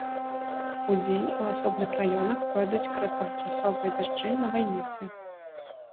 Удзень у асобных раёнах пройдуць кароткачасовыя дажджы, навальніцы.